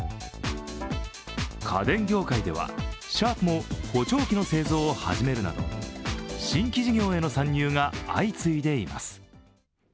家電業界では、シャープも補聴器の製造を始めるなど新規事業への参入が相次いでいます。